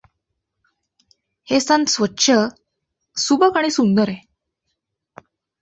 हे स्थान स्वच्छ, सुबक आणि सुंदर आहे.